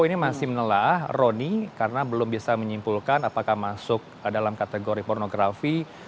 ini masih menelah roni karena belum bisa menyimpulkan apakah masuk dalam kategori pornografi